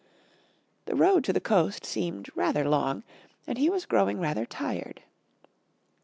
The road to the coast seemed rather long, and he was growing rather tired.